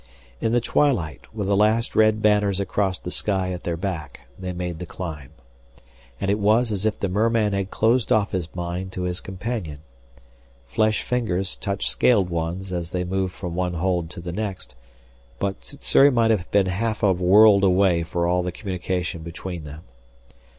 In the twilight, with the last red banners across the sky at their back, they made the climb. And it was as if the merman had closed off his mind to his companion. Flesh fingers touched scaled ones as they moved from one hold to the next, but Sssuri might have been half a world away for all the communication between them.